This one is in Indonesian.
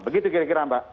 begitu kira kira mbak